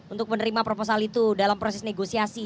untuk menerima proposal itu dalam proses negosiasi